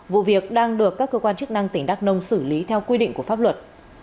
vụ việc đang được các cơ quan chức năng tỉnh đắk nông xử lý theo quy định của pháp luật